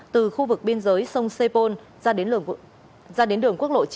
từ khu vực biên giới sông sepol ra đến đường quốc lộ